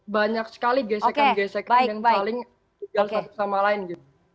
banyak sekali gesekan gesekan yang saling tinggal satu sama lain gitu